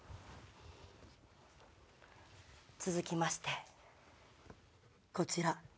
続きましてこちら。